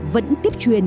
vẫn tiếp truyền